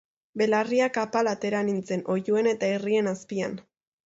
Belarriak apal atera nintzen, oihuen eta irrien azpian.